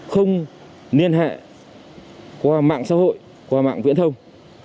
không liên hệ qua mạng xã hội qua mạng viễn thông